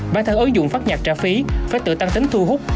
bản thân ứng dụng phát nhạc trả phí phải tự tăng tính thu hút